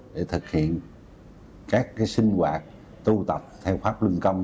để thực hiện các sinh hoạt tụ tập theo pháp luân công